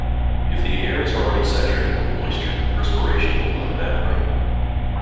If the air is already saturated with moisture, perspiration will not evaporate.